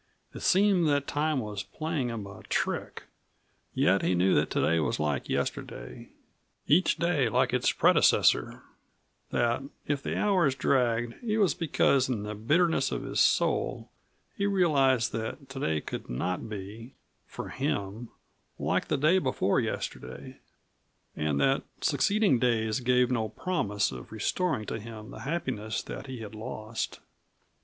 It seemed that time was playing him a trick. Yet he knew that to day was like yesterday each day like its predecessor that if the hours dragged it was because in the bitterness of his soul he realized that today could not be for him like the day before yesterday; and that succeeding days gave no promise of restoring to him the happiness that he had lost.